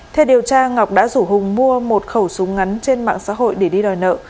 theo điều tra ngọc đã rủ hùng mua một khẩu súng ngắn trên mạng xã hội để đi đòi nợ